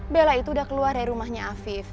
bella itu udah keluar dari rumahnya afif